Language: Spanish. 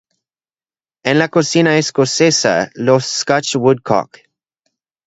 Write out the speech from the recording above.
En la cocina escocesa, los scotch woodcock.